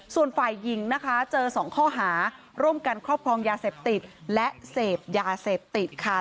ส่วนฝ่ายหญิงนะคะเจอสองข้อหาร่วมกันครอบครองยาเสพติดและเสพยาเสพติดค่ะ